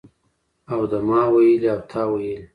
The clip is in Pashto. او د ما ویلي او تا ویلي